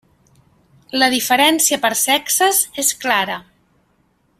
La diferència per sexes és clara.